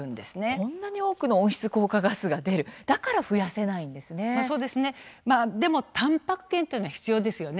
こんなに多くの温室効果ガスが出るだけど、たんぱく源というのは必要ですよね。